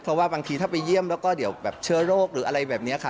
เพราะว่าบางทีถ้าไปเยี่ยมแล้วก็เดี๋ยวแบบเชื้อโรคหรืออะไรแบบนี้ค่ะ